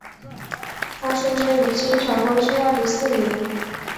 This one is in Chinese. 他出生于清朝光绪二十四年。